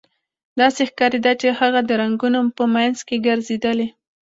داسې ښکاریده چې هغه د رنګونو په مینځ کې ګرځیدلې